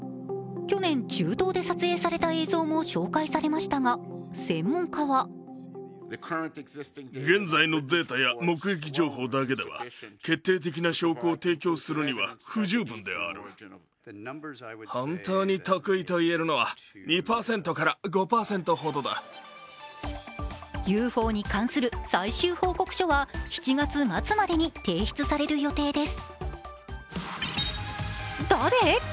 去年、中東で撮影された映像も紹介されましたが、専門家はＵＦＯに関する最終報告書は７月末までに提出される予定です。